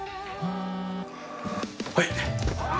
はい。